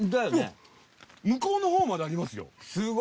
向こうのほうまでありますよ。